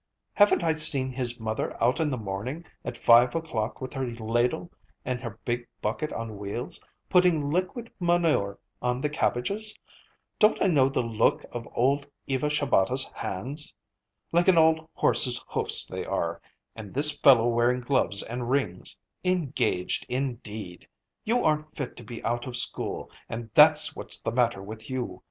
Haven't I seen his mother out in the morning at five o'clock with her ladle and her big bucket on wheels, putting liquid manure on the cabbages? Don't I know the look of old Eva Shabata's hands? Like an old horse's hoofs they are—and this fellow wearing gloves and rings! Engaged, indeed! You aren't fit to be out of school, and that's what's the matter with you.